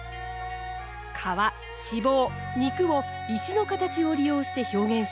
皮脂肪肉を石の形を利用して表現しています。